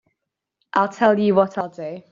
I'll tell you what I'll do.